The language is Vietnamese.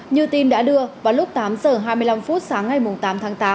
như tin đã đưa vào lúc tám h hai mươi năm phút sáng ngày tám tháng tám